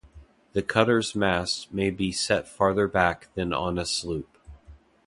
The cutter's mast may be set farther back than on a sloop.